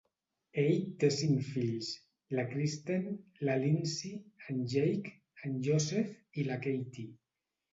Ell té cinc fills: la Kristin, la Lindsey, en Jake, en Joseph i la Katie.